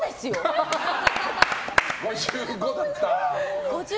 ５５だった。